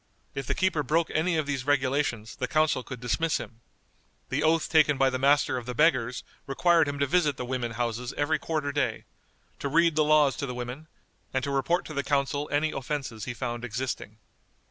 If the keeper broke any of these regulations the council could dismiss him. The oath taken by the Master of the Beggars required him to visit the women houses every quarter day; to read the laws to the women; and to report to the council any offenses he found existing.